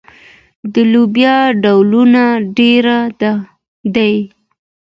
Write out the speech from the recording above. د لوبیا ډولونه ډیر دي.